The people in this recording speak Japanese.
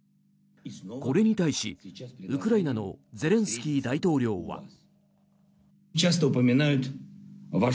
これに対し、ウクライナのゼレンスキー大統領は。